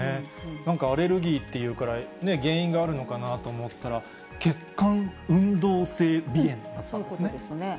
なんかアレルギーっていうから、原因があるのかなと思ったら、そういうことですね。